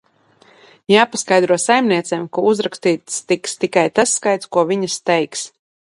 Jāpaskaidro saimniecēm, ka uzrakstīts tiks tikai tas skaits, ko viņas teiks.